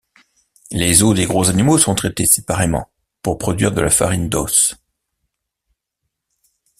Les os de gros animaux sont traités séparément pour produire de la farine d'os.